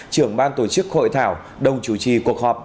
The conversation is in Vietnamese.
trưởng ban tổ chức hội thảo đồng chủ trì cuộc họp